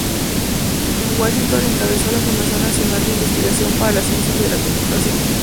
En Washington encabezó la Fundación Nacional de Investigación para las Ciencias de la Computación.